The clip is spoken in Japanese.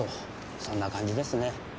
そんな感じですね。